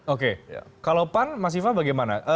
oke kalau pan mas iva bagaimana